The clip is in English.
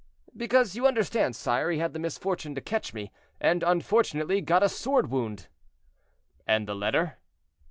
"Because, you understand, sire, he had the misfortune to catch me, and unfortunately got a sword wound." "And the letter?"